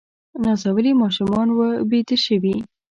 نازولي ماشومان وه بیده شوي